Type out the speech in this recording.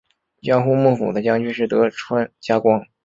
江户幕府的将军是德川家光。